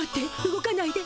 動かないで。